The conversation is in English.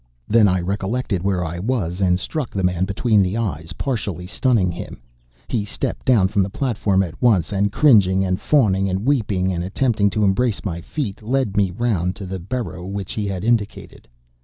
Then I recollected where I was, and struck the man between the eyes, partially stunning him. He stepped down from the platform at once, and, cringing and fawning and weeping and attempting to embrace my feet, led me round to the burrow which he had indicated.